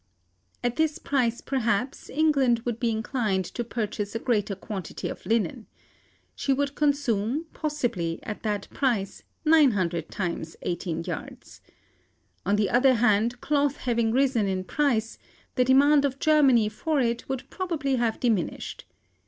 At this price, perhaps, England would be inclined to purchase a greater quantity of linen. She would consume, possibly, at that price, 900 times eighteen yards. On the other hand, cloth having risen in price, the demand of Germany for it would probably have diminished.